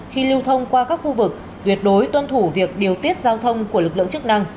khi lưu thông qua các khu vực tuyệt đối tuân thủ việc điều tiết giao thông của lực lượng chức năng